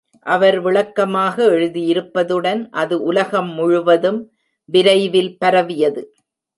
அவர் விளக்கமாக எழுதியிருப்பதுடன், அது உலகம் முழுவதும் விரைவில் பரவியது!